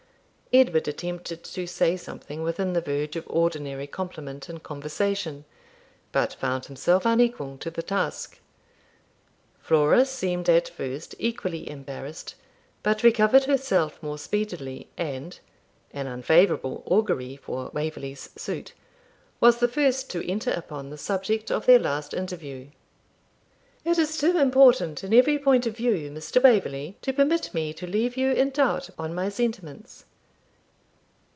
Edward attempted to say something within the verge of ordinary compliment and conversation, but found himself unequal to the task. Flora seemed at first equally embarrassed, but recovered herself more speedily, and (an unfavourable augury for Waverley's suit) was the first to enter upon the subject of their last interview. 'It is too important, in every point of view, Mr. Waverley, to permit me to leave you in doubt on my sentiments.'